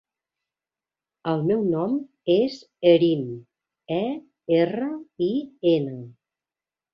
El meu nom és Erin: e, erra, i, ena.